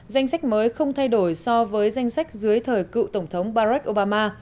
danh sách mới không thay đổi so với danh sách dưới thời cựu tổng thống barack obama